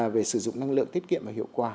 về sử dụng năng lượng tiết kiệm và hiệu quả